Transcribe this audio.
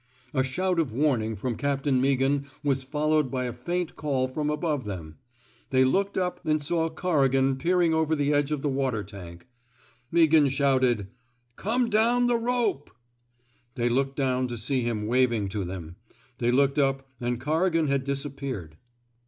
A shout of warning from Captain Meaghan was followed by a faint call from above them. They looked up and saw Corrigan 214 TRAINING '' SALLY " WATERS peering over the edge of the water tank. Meaghan shouted :Come down the rope I *' They looked down to see him waving to them. They looked up, and Corrigan had disappeared.